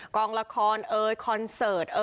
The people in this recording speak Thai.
กองละครเอ่ยคอนเสิร์ต